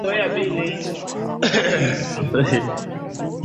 na kwa upande mwingine nchi ya rwanda imekuwa ikisifiwa na mataifa mbalimbali